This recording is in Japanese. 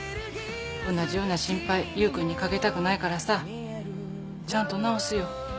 同じような心配優君にかけたくないからさちゃんと治すよ。